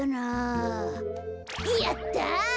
やった。